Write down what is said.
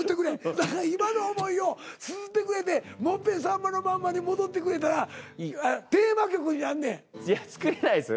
だから今の思いをつづってくれてもういっぺん「さんまのまんま」に戻ってくれたらテーマ曲になんねん。いや作れないですよ。